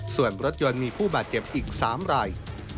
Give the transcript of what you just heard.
ส่วนรถยนต์มีผู้บาดเจ็บอีก๓ราย